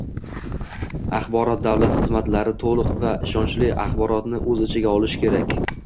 Axborot davlat xizmatlari to‘liq va ishonchli axborotni o‘z ichiga olishi kerak.